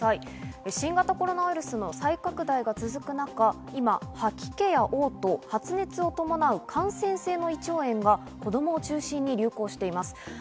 新型コロナウイルスの再拡大が続く中、今、吐き気やおう吐、発熱を伴う感染性の胃腸炎が子供を中心に流行しています。